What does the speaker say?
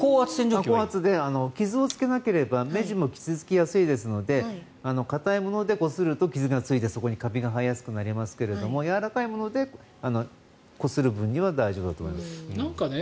高圧で傷をつけなければ目地も傷付きやすいので硬いものでこすると傷がついてそこにカビが生えやすくなりますがやわらかいものでこする分には大丈夫だと思います。